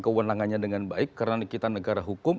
kewenangannya dengan baik karena kita negara hukum